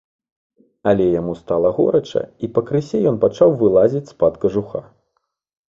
Але яму стала горача, і пакрысе ён пачаў вылазіць з-пад кажуха.